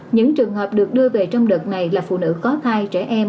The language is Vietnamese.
những trường hợp được đưa về trong đợt này là phụ nữ có thai trẻ em